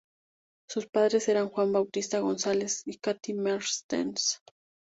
Sus padres eran Juan Bautista González y Katty Maertens.